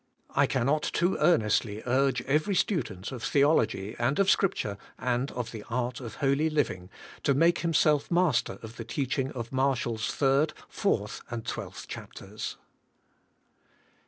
I cannot too earnestly urge every student of theology, and of Scripture, and of the art of holy living, to make himself master of the teaching of Marshall's third, fourth, and twelfth chapters.